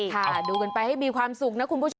ค่ะดูกันไปให้มีความสุขนะคุณผู้ชม